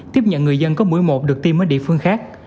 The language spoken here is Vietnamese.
tiếp nhận người dân có mũi một được tiêm ở địa phương khác